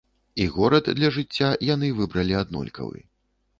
І горад для жыцця яны выбіралі аднолькавы.